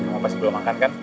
bapak sebelum makan kan